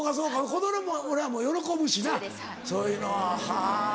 子供らも喜ぶしなそういうのははぁ。